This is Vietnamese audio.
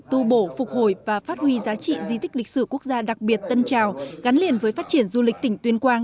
tu bổ phục hồi và phát huy giá trị di tích lịch sử quốc gia đặc biệt tân trào gắn liền với phát triển du lịch tỉnh tuyên quang